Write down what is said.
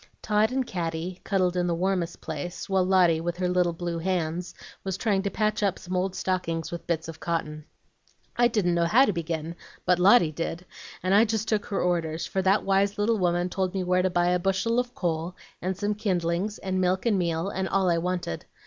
Tot and Caddy cuddled in the warmest place, while Lotty, with her little blue hands, was trying to patch up some old stockings with bits of cotton. I didn't know how to begin, but Lotty did, and I just took her orders; for that wise little woman told me where to buy a bushel of coal and some kindlings, and milk and meal, and all I wanted.